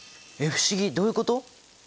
え不思議どういうこと？